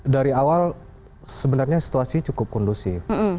dari awal sebenarnya situasi cukup kondusif